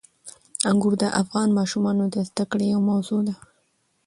انګور د افغان ماشومانو د زده کړې یوه موضوع ده.